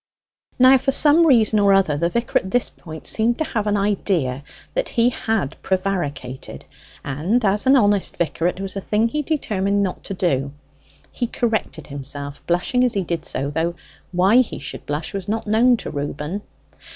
Now for some reason or other, the vicar at this point seemed to have an idea that he had prevaricated; and as an honest vicar, it was a thing he determined not to do. He corrected himself, blushing as he did so, though why he should blush was not known to Reuben.